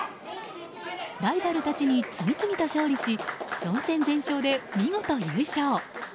ライバルたちに次々と勝利し４戦全勝で見事優勝。